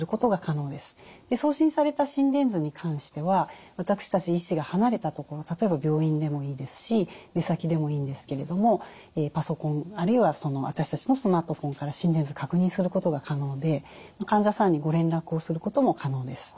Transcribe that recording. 送信された心電図に関しては私たち医師が離れた所例えば病院でもいいですし出先でもいいんですけれどもパソコンあるいは私たちのスマートフォンから心電図確認することが可能で患者さんにご連絡をすることも可能です。